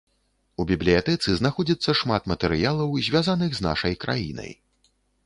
У бібліятэцы знаходзіцца шмат матэрыялаў, звязаных з нашай краінай.